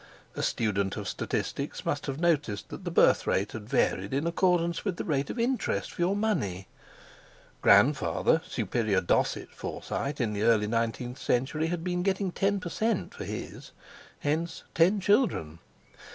A student of statistics must have noticed that the birth rate had varied in accordance with the rate of interest for your money. Grandfather "Superior Dosset" Forsyte in the early nineteenth century had been getting ten per cent. for his, hence ten children.